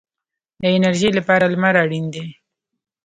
د انرژۍ لپاره لمر اړین دی